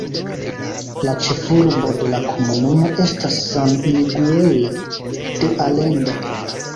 La ĉefurbo de la komunumo estas San Miguel de Allende.